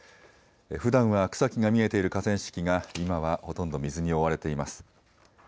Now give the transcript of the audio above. ふだんは草木が見えている河川敷が今はほとんど水に覆われています。